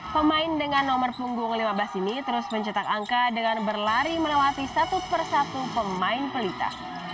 pemain dengan nomor punggung lima belas ini terus mencetak angka dengan berlari melewati satu persatu pemain pelita